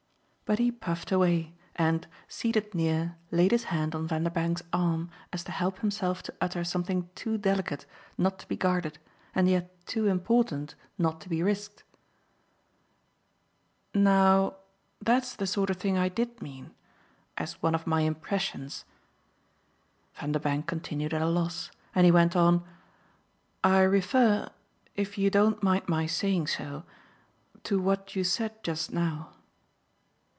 But he puffed away and, seated near, laid his hand on Vanderbank's arm as to help himself to utter something too delicate not to be guarded and yet too important not to be risked. "Now that's the sort of thing I did mean as one of my impressions." Vanderbank continued at a loss and he went on: "I refer if you don't mind my saying so to what you said just now."